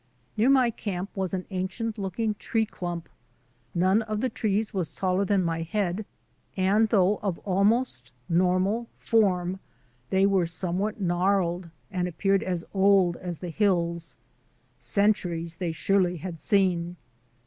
Near my camp was an ancient looking tree clump. None of the trees was taller than my head, and though of almost normal form they were somewhat gnarled and appeared as old as the hills. Centuries they surely had seen.